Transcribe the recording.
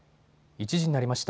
１時になりました。